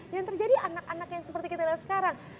yang terjadi anak anak yang seperti kita lihat sekarang